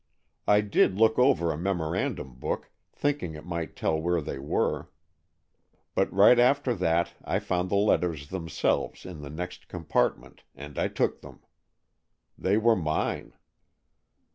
I did look over a memorandum book, thinking it might tell where they were. But right after that I found the letters themselves in the next compartment, and I took them. They were mine."